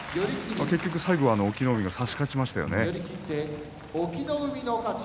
結局、最後は隠岐の海が差し勝ちました。